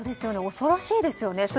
恐ろしいですよね。